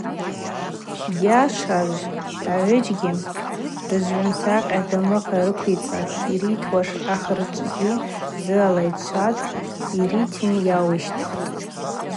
Гъьашажв агӏвыджьгьи рыжвгӏвымсакъьаква дамыгъа рыквицӏатӏ, йритуаш ахырчӏвгьи дзы алайчватӏ, йритын йауищтхтӏ.